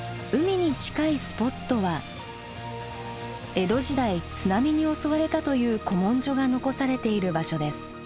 江戸時代津波に襲われたという古文書が残されている場所です。